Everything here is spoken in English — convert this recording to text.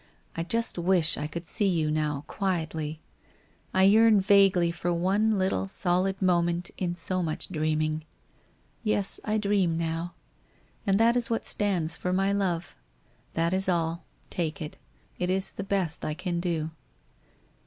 I just wish I could see you now, quietly ; I yearn vaguely for one little solid moment in so much dreaming. Yes, I dream now. And that is what stands for My Love. That is all. Take it. It is the best I can do.